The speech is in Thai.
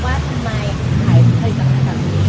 ว่าทำไมขายศัตรูการณ์ก่อนตอนนี้